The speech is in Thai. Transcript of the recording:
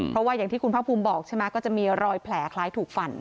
เพราะว่าอย่างที่คุณภาคภูมิบอกใช่ไหมก็จะมีรอยแผลคล้ายถูกฟัน